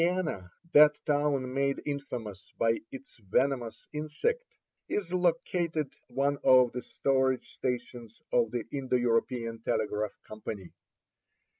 At Miana, that town made infamous by its venomous insect, is located one of the storage stations of the Indo European Telegraph Company.